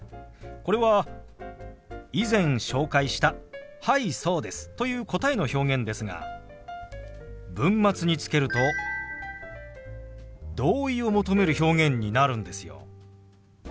これは以前紹介した「はいそうです」という答えの表現ですが文末につけると同意を求める表現になるんですよ。